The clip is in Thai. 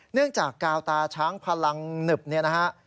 จากกาวตาช้างพลังหนึบเนี่ยนะฮะ